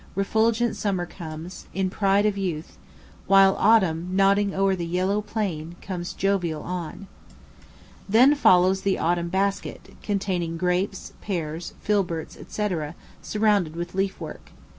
refulgent Summer comes, In pride of youth; While Autumn, nodding o'or the yellow plain, Comes jovial on." Then follows the Autumn basket, containing grapes, pears, filberts, &c., surrounded with leaf work.